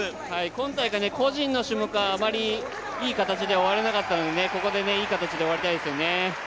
今大会、個人の記録はあまりいい形で終われなかったんですがここでいい形で終わりたいですよね。